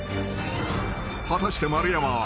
［果たして丸山は］